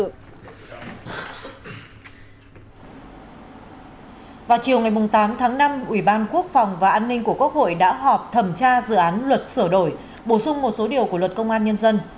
chiều ngày tám tháng năm ủy ban quốc phòng và an ninh của quốc hội đã họp thẩm tra dự án luật sửa đổi bổ sung một số điều của luật công an nhân dân